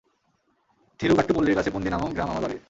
থিরুক্কাট্টুপল্লীর কাছে পুন্দি নামক গ্রাম আমার বাড়ি।